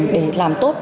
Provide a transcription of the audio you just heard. để làm tốt